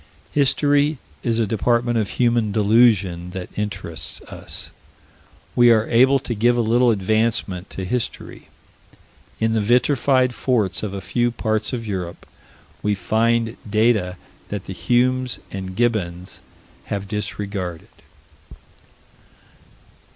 History is a department of human delusion that interests us. We are able to give a little advancement to history. In the vitrified forts of a few parts of Europe, we find data that the Humes and Gibbons have disregarded.